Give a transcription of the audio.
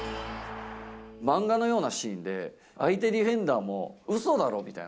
漫画のようなシーンで、相手ディフェンダーも、うそだろみたいな。